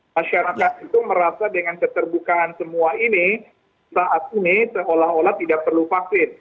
masyarakat itu merasa dengan keterbukaan semua ini saat ini seolah olah tidak perlu vaksin